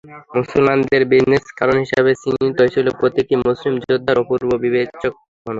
মুসলমানদের বিজয়ের কারণ হিসেবে চিহ্নিত হয়েছিল প্রতিটি মুসলিম যোদ্ধার অপূর্ব বিচক্ষণতা।